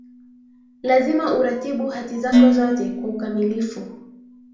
lazima uratibu hati zako zote kwa ukamilifu